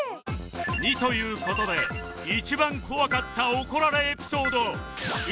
「２」という事で「１番怖かった怒られエピソード」